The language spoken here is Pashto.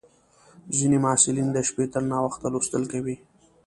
ځینې محصلین د شپې تر ناوخته لوستل کوي.